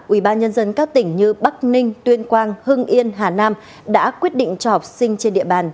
ubnd các tỉnh như bắc ninh tuyên quang hưng yên hà nam đã quyết định cho học sinh trên địa bàn